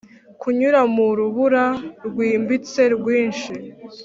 kunyura mu rubura rwimbitse, rwinshi,